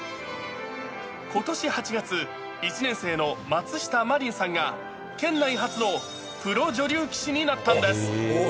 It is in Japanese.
ことし８月、１年生の松下舞琳さんが、県内初のプロ女流棋士になったんです。